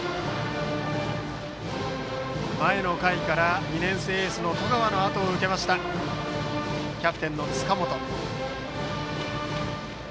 前の回から、２年生エースの十川のあとを受けましたキャプテンの塚本。